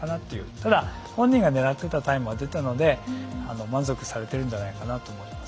ただ、本人が狙っていたタイムは出たので満足されているんじゃないかと思います。